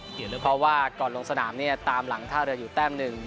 เพราะว่าก่อนลงสนามเนี่ยตามหลังท่าเรืออยู่แต้มหนึ่ง